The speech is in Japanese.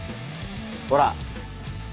ほら。